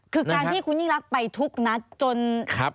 คือการที่คุณยิ่งรักไปทุกนัดจน